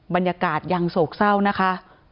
บรรยากาศยังโศกเศร้านะคะ